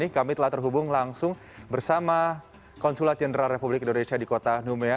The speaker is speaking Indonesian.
kami telah terhubung langsung bersama konsulat jenderal republik indonesia di kota numea